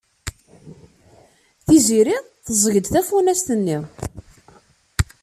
Tiziri teẓẓeg-d tafunast-nni.